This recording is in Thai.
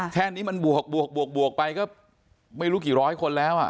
แค่นี้มันบวกไปก็ไม่รู้กี่ร้อยคนแล้ว